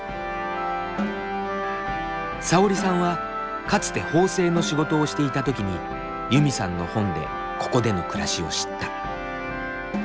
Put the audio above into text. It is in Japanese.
さおりさんはかつて縫製の仕事をしていたときにユミさんの本でここでの暮らしを知った。